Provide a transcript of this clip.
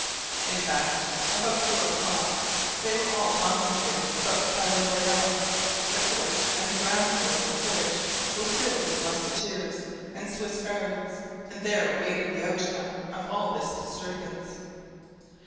In fact, about four o'clock they were all concentrated about the Palais Royal, the courts and ground floors of which were filled with musketeers and Swiss guards, and there awaited the outcome of all this disturbance.